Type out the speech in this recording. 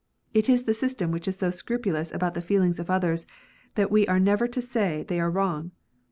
It is the system which is so scrupulous about the feelings of others, that we are never to say they are wrong.